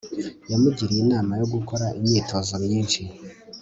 yamugiriye inama yo gukora imyitozo myinshi